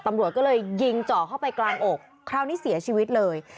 ตำรวจก็เลยยิงเจาะเข้าไปกลางอกคราวนี้เสียชีวิตเลย